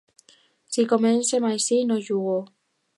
Si comencem així, no jugo.